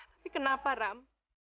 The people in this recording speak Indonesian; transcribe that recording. tapi kenapa ram